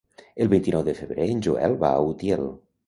El vint-i-nou de febrer en Joel va a Utiel.